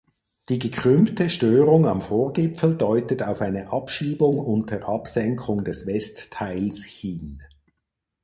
Die gekrümmte Störung am Vorgipfel deutet auf eine Abschiebung unter Absenkung des Westteils hin.